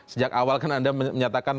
sejak awal kan anda menyatakan